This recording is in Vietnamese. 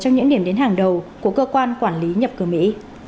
trong những điểm đến hàng đầu của cơ quan quản lý nhập cử mỹ